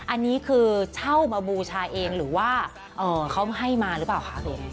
อันนี้คือเช่ามาบูชาเองหรือว่าเขาให้มาหรือเปล่าคะ